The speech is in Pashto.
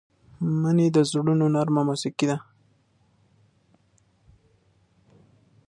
مني د زړونو نرمه موسيقي ده